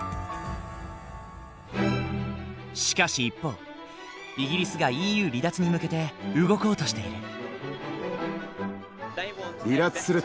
しかし一方イギリスがＥＵ離脱に向けて動こうとしている。